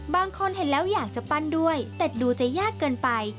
บางคนเห็นแล้วอยากจะปั้นด้วยแต่ดูจะยากเกินไป